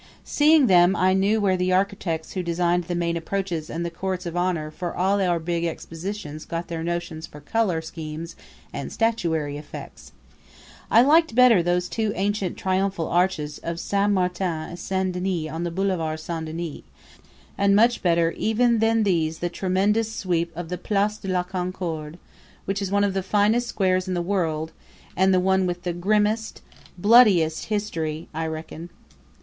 Seeing them I knew where the architects who designed the main approaches and the courts of honor for all our big expositions got their notions for color schemes and statuary effects. I liked better those two ancient triumphal arches of St. Martin and St. Denis on the Boulevard St. Denis, and much better even than these the tremendous sweep of the Place de la Concorde, which is one of the finest squares in the world, and the one with the grimmest, bloodiest history, I reckon.